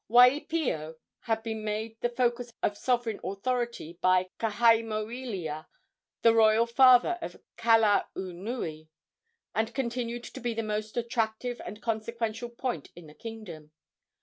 Waipio had been made the focus of sovereign authority by Kahaimoelea, the royal father of Kalaunui, and continued to be the most attractive and consequential point in the kingdom.